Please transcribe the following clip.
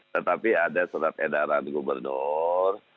tetapi ada surat edaran gubernur